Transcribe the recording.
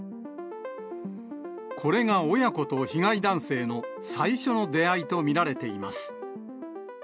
これが親子と被害男性の最初の出会いと見られています。